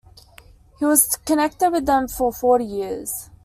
He was connected with them for forty years.